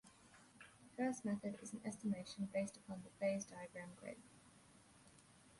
The first method is an estimation based upon the phase diagram grid.